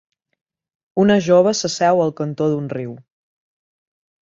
Una jove s'asseu al cantó d'un riu.